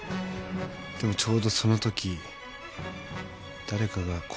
でもちょうどそのとき誰かがここにやって来た。